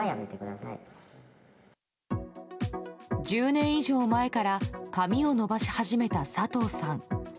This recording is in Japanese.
１０年以上前から髪を伸ばし始めた佐藤さん。